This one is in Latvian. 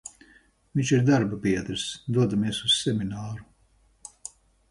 Vinš ir darbabiedrs, dodamies uz semināru.